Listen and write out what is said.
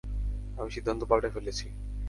আমি সিদ্ধান্ত পাল্টে ফেলেছি।